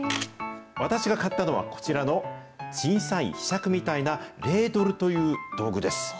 私が買ったのは、こちらの、小さいひしゃくみたいな、レードルという道具です。